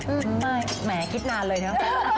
อืมไม่แหมคิดนานเลยนะ